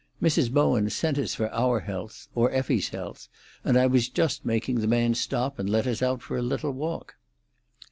"Mrs. Bowen sent us for our health—or Effie's health—and I was just making the man stop and let us out for a little walk."